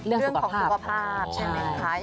เรื่องของสุขภาพใช่ไหมคะ